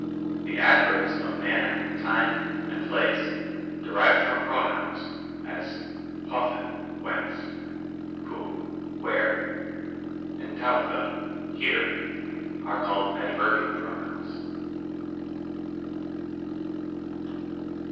The adverbs of manner, time and place, derived from pronouns, as nod tv^ whence ? nov^ where ? ivTuvda^ here, are called Adverbial pronouns.